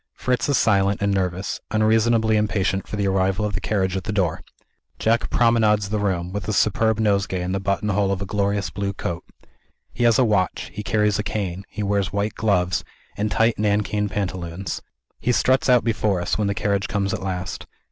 Fritz is silent and nervous; unreasonably impatient for the arrival of the carriage at the door. Jack promenades the room, with a superb nosegay in the button hole of a glorious blue coat. He has a watch; he carries a cane; he wears white gloves, and tight nankeen pantaloons. He struts out before us, when the carriage comes at last.